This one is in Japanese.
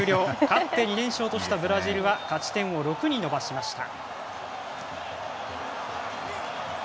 勝って２連勝としたブラジルば勝ち点を６に伸ばしました。